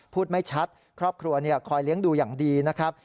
พูดไม่ชัดครอบครัวคอยเลี้ยงดูอย่างดีนะครับ